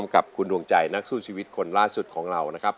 กับคุณดวงใจนักสู้ชีวิตคนล่าสุดของเรานะครับ